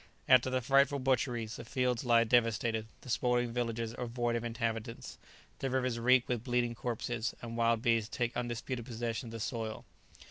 After the frightful butcheries, the fields lie devastated, the smouldering villages are void of inhabitants, the rivers reek with bleeding corpses, and wild beasts take undisputed possession of the soil.